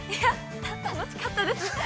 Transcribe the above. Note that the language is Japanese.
◆楽しかったです。